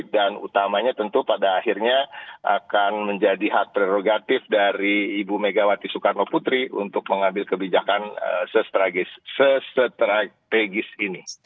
dan utamanya tentu pada akhirnya akan menjadi hak prerogatif dari ibu megawati soekarno putri untuk mengambil kebijakan sesetragis ini